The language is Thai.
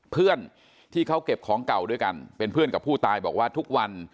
เพื่อนที่เขาเก็บของเก่าด้วยกันเป็นเพื่อนกับผู้ตายบอกว่าทุกวัน